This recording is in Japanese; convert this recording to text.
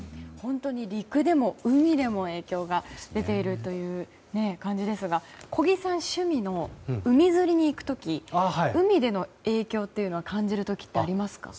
陸でも海でも影響が出ているという感じですが小木さん、趣味の海釣りに行く時海での影響っていうのは感じる時はありますか？